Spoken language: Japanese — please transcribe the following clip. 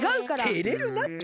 てれるなって！